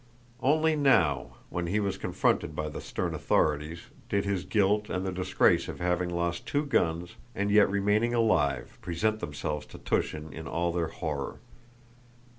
Only now, when he was confronted by the stern authorities, did his guilt and the disgrace of having lost two guns and yet remaining alive present themselves to Túshin in all their horror.